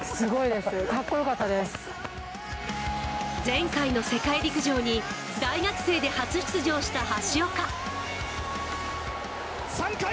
前回の世界陸上に大学生で初出場した橋岡。